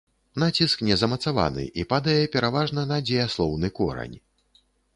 Націск не замацаваны, і падае, пераважна, на дзеяслоўны корань.